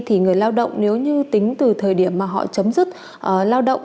thì người lao động nếu như tính từ thời điểm mà họ chấm dứt lao động